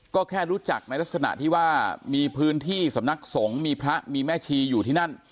ก็แค่รู้จักในลักษณะที่ว่ามีพื้นที่สำนักสงฆ์มีพระมีแม่ชีอยู่ที่นั่น